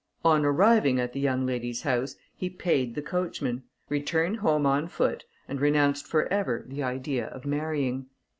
On arriving at the young lady's house, he paid the coachman, returned home on foot, and renounced for ever the idea of marrying.